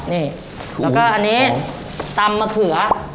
นี่แล้วก็อันนี้ตำมะเขือ